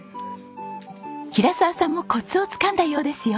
平澤さんもコツをつかんだようですよ。